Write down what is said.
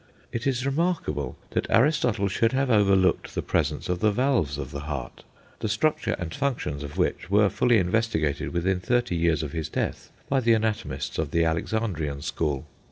It is remarkable that Aristotle should have overlooked the presence of the valves of the heart, the structure and functions of which were fully investigated within thirty years of his death by the anatomists of the Alexandrian school.